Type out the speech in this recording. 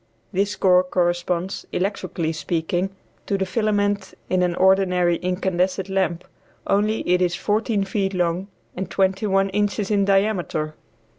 This core corresponds, electrically speaking, to the filament in an ordinary incandescent lamp, only it is fourteen feet long and twenty one inches in diameter.